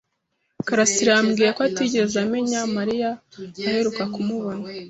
karasira yambwiye ko atigeze amenya Mariya aheruka kumubona.